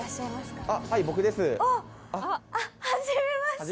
はじめまして。